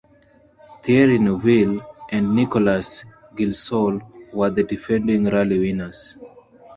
Thierry Neuville and Nicolas Gilsoul were the defending rally winners.